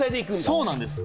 そうなんです。